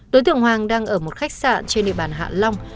đối tượng hoàng đang ở một khách sạn trên địa bàn hạ long